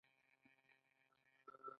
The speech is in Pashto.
ټولنه څنګه اصلاح کړو؟